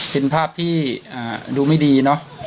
เป็นภาพที่ดูไม่ดีเนอะ